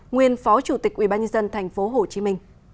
nguyên phó chủ tịch ubnd tp hcm